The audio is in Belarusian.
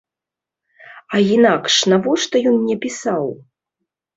А інакш навошта ён мне пісаў?